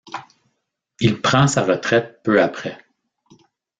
Il prend sa retraite peu après.